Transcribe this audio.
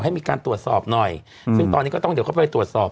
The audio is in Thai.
ให้มีการตรวจสอบหน่อยซึ่งตอนนี้ก็ต้องเดี๋ยวเข้าไปตรวจสอบ